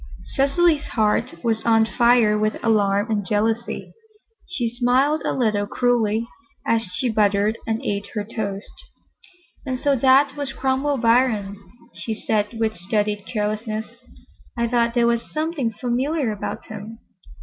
Cecily's heart was on fire with alarm and jealousy. She smiled a little cruelly as she buttered and ate her toast. "And so that was Cromwell Biron," she said with studied carelessness. "I thought there was something familiar about him.